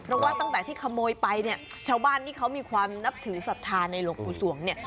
เพราะว่าตั้งแต่ที่ขโมยไปเนี่ยชาวบ้านที่เขามีความนับถือศรัทธาในหลวงปู่สวงเนี่ย